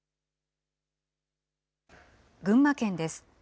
群馬県です。